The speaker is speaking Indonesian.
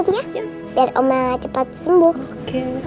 biar mama cepet sembuh